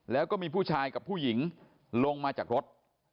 แล้วก็มีผู้ชายกับผู้หญิงลงมาจากรถ